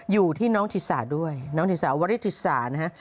อยู่ที่น้องธิสาด้วยน้องธิสาววริธิสานะฮะ